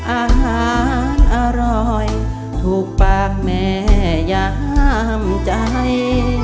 อาหารอร่อยถูกปากแม่ย้ำใจ